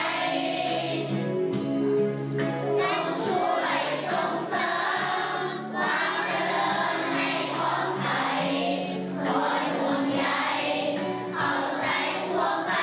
เราจะเลิกให้คนไข่โดยห่วงใหญ่เข้าใจพวกปัญชา